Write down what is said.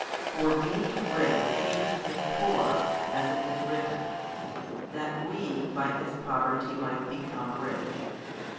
For being Rich He became poor (as it is written), that we by His poverty might become rich.